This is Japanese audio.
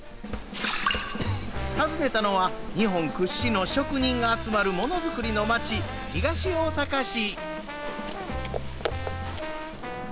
訪ねたのは日本屈指の職人の集まる、ものづくりの町東大阪市。